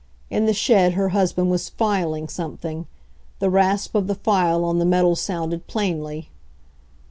In the shed her husband was filing something ; the rasp of the file on the metal sounded plainly.